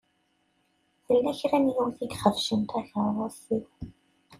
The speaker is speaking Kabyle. Tella kra n yiwet i ixebcen takeṛṛust-iw.